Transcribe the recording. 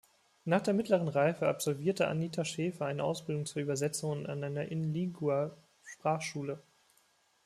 Nach der Mittleren Reife absolvierte Anita Schäfer eine Ausbildung zur Übersetzerin an einer Inlingua-Sprachschule.